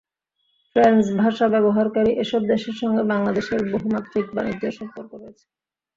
French ভাষা ব্যবহারকারী এসব দেশের সঙ্গে বাংলাদেশের বহুমাত্রিক বাণিজ্য সম্পর্ক রয়েছে।